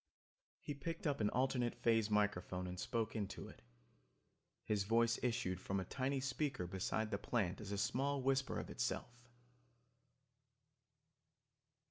He picked up an alternate phase microphone and spoke into it. His voice issued from a tiny speaker beside the plant as a small whisper of itself.